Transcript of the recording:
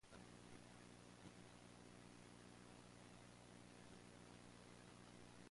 In Europe, the use of dome cars was unique to these two trains.